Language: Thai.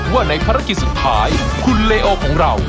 ว่าในภารกิจสุดท้ายคุณเลโอของเรา